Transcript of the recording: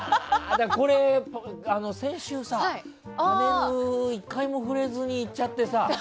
先週、パネル１回も触れずにいっちゃってさ。